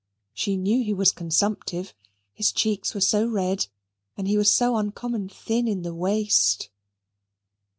She knew he was consumptive, his cheeks were so red and he was so uncommon thin in the waist.